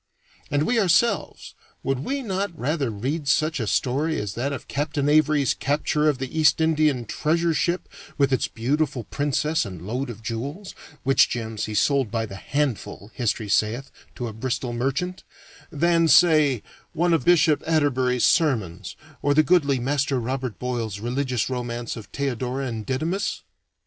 And we ourselves would we not rather read such a story as that of Captain Avery's capture of the East Indian treasure ship, with its beautiful princess and load of jewels (which gems he sold by the handful, history sayeth, to a Bristol merchant), than, say, one of Bishop Atterbury's sermons, or the goodly Master Robert Boyle's religious romance of "Theodora and Didymus"?